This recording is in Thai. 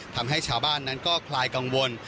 ทำให้ชาวบ้านนั้นก็คลายกังวล